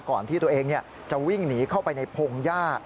ก่อนที่ตัวเองจะวิ่งหนีเข้าไปในพงหญ้า